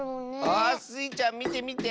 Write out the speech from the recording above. あスイちゃんみてみて。